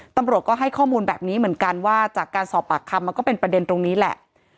ตำรวจก็ให้ข้อมูลแบบนี้เหมือนกันว่าจากการสอบปากคำมันก็เป็นประเด็นตรงนี้แหละ